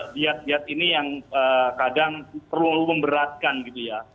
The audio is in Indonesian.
diat diat ini yang kadang terlalu memberatkan gitu ya